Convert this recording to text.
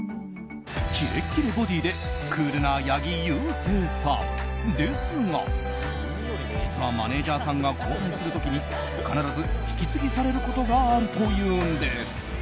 キレッキレボディーでクールな八木勇征さんですが実はマネジャーさんが交代する時に必ず引き継ぎされることがあるというんです。